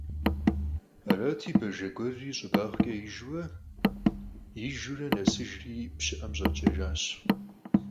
Арати Бажэ гуэрри щӀыбагъкӀэ ижурэ, ижурэ нэсыжри пщыӀэм щӀэпкӀэжащ.